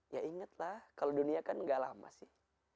ya inget lah kalo dunia kan nggak lama sih